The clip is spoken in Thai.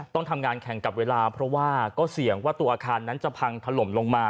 ต้องทำงานแข่งกับเวลาเพราะว่าก็เสี่ยงว่าตัวอาคารนั้นจะพังถล่มลงมา